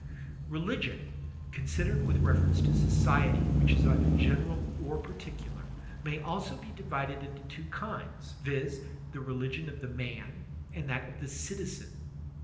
Religpion, conisidered with reference to society, which is either general or particular, may also be divided into two kinds, viz, the religion of the man and that of the citizen.